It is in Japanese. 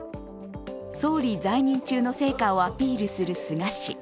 総理在任中の成果をアピールする菅氏。